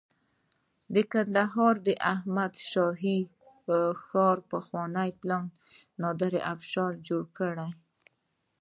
د کندهار د احمد شاهي ښار پخوانی پلان د نادر افشار جوړ کړی